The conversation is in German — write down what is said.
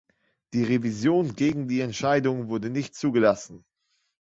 Die Revision gegen die Entscheidungen wurde nicht zugelassen.